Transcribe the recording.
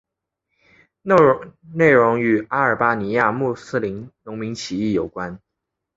内容与阿尔巴尼亚穆斯林农民起义有关。